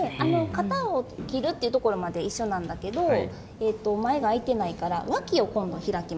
肩を切るっていうところまで一緒なんだけど前があいてないからわきを今度開きます。